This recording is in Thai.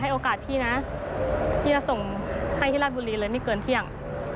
โอกาสพี่นะพี่จะส่งให้ที่ราชบุรีเลยไม่เกินเที่ยง